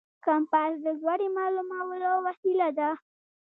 کمپاس د لوري معلومولو وسیله ده.